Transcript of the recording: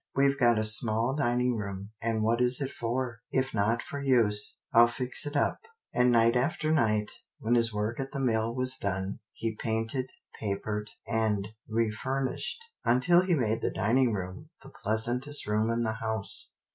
We've got a small dining room, and what is it for, if not for use? I'll fix it up," and night after night, when his work at the mill was done, he painted, papered, and re furnished, until he made the dining room the pleasantest room in the house.